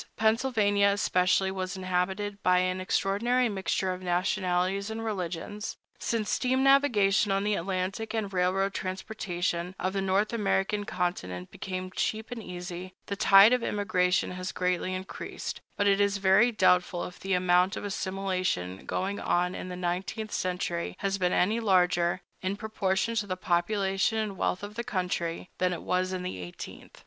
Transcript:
Pennsylvania, especially, was inhabited by an extraordinary mixture of nationalities and religions. Since steam navigation on the Atlantic and railroad transportation on the North American continent became cheap and easy, the tide of immigration has greatly increased; but it is very doubtful if the amount of assimilation going on in the nineteenth century has been any larger, in proportion to the population and wealth of the country, than it was in the eighteenth.